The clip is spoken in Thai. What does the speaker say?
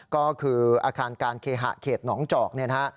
ก็คืออาคารการเคหะเขตหนองจอกเนี่ยนะฮะ